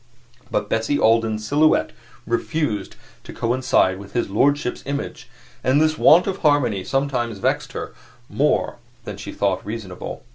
But Bessie Alden's silhouette refused to coincide with his lordship's image, and this want of harmony sometimes vexed her more than she thought reasonable.